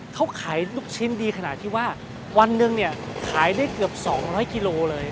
เขาขายลูกชิ้นดีขนาดที่ว่าวันหนึ่งเนี่ยขายได้เกือบ๒๐๐กิโลเลย